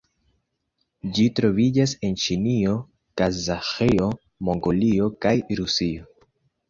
Ĝi troviĝas en Ĉinio, Kazaĥio, Mongolio kaj Rusio.